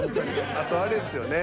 あとあれですよね。